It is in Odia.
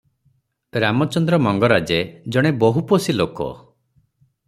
ରାମଚନ୍ଦ୍ର ମଙ୍ଗରାଜେ ଜଣେ ବହୁପୋଷୀ ଲୋକ ।